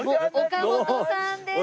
岡本さんです。